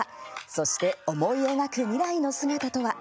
そして思い描く未来の姿とは？